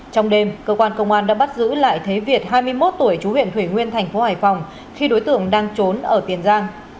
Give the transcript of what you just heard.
trong đêm cơ quan công an đã bắt giữ lại thế việt hai mươi một tuổi chú huyện thủy nguyên thành phố hải phòng khi đối tượng đang trốn ở tiền giang